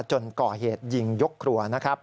จนก่อเหตุยิงยกครัวนะครับ